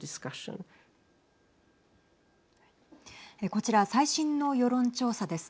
こちら、最新の世論調査です。